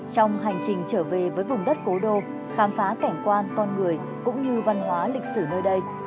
trong hành trình trở về với vùng đất cố đô khám phá cảnh quan con người cũng như văn hóa lịch sử nơi đây